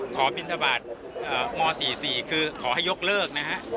ขอบินทบาทง๔๔คือขอให้ยกเลิกนะครับ